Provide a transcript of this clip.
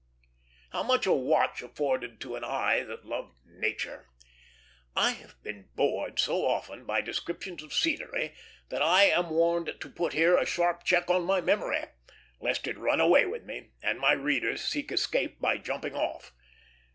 How much a watch afforded to an eye that loved nature! I have been bored so often by descriptions of scenery, that I am warned to put here a sharp check on my memory, lest it run away with me, and my readers seek escape by jumping off.